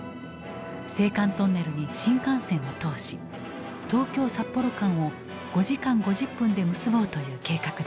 青函トンネルに新幹線を通し東京札幌間を５時間５０分で結ぼうという計画だった。